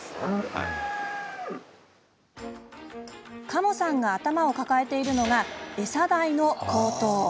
加茂さんが頭を抱えているのがえさ代の高騰。